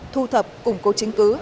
thu thập cùng cố chứng cứ